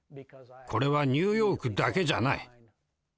これはニューヨークだけじゃない。